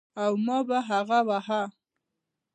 او ما به هغه واهه.